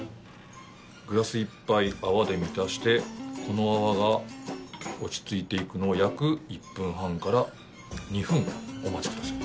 グラスいっぱい泡で満たしてこの泡が落ち着いていくのを約１分半から２分お待ち下さい。